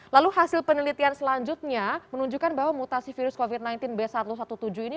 lalu hasil penelitian selanjutnya menunjukkan bahwa mutasi virus covid sembilan belas b satu satu tujuh ini